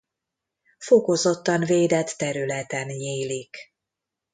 Fokozottan védett területen nyílik.